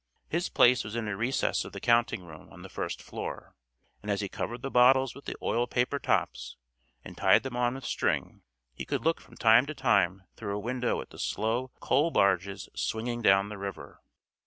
His place was in a recess of the counting room on the first floor, and as he covered the bottles with the oil paper tops and tied them on with string he could look from time to time through a window at the slow coal barges swinging down the river.